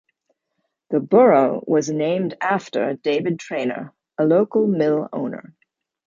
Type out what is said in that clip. The borough was named after David Trainer, a local mill owner.